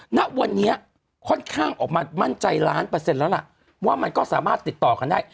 ณวันนี้ค่อนข้างออกมามั่นใจล้านเปอร์เซ็นต์แล้วล่ะว่ามันก็สามารถติดต่อกันได้